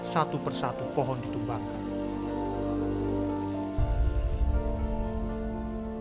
satu persatu pohon ditumbang